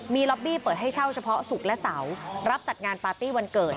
มีล็อบบี้เปิดให้เช่าเฉพาะศุกร์และเสาร์รับจัดงานปาร์ตี้วันเกิด